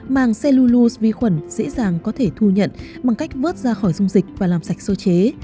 màng cellulose vi khuẩn dễ dàng có thể thu nhận bằng cách vớt ra khỏi dung dịch và làm sạch sơ chế